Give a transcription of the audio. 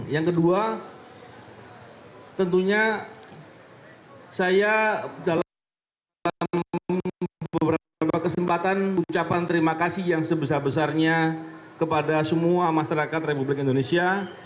yang kedua tentunya saya dalam beberapa kesempatan ucapan terima kasih yang sebesar besarnya kepada semua masyarakat republik indonesia